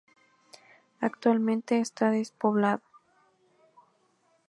Actualmente está despoblado.